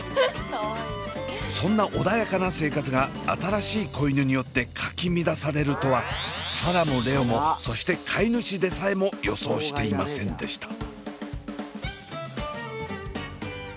そんな穏やかな生活が新しい子犬によってかき乱されるとは紗蘭も蓮音もそして飼い主でさえも予想していませんでした。